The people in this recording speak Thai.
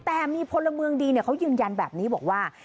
แต่มีพลเมืองดีเขายืนยันแบบนี้บอกว่า